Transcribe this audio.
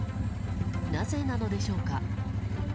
なぜなのでしょうか。